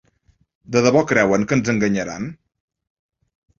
De debò creuen que ens enganyaran?